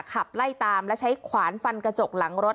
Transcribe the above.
ขับไล่ตามและใช้ขวานฟันกระจกหลังรถ